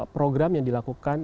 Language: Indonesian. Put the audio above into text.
program yang dilakukan